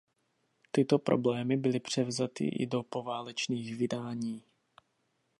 Tyto problémy byly převzaty i do poválečných vydání.